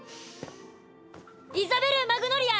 イザベル・マグノリア！